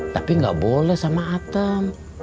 tapi gak boleh sama atem